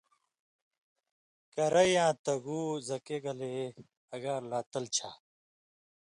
کرئ یاں تگُو زکہ گلے اگار لا تل چھا